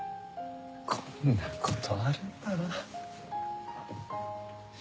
こんなことあるんだな